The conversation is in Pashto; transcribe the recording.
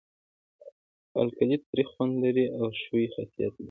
القلي تریخ خوند لري او ښوی خاصیت لري.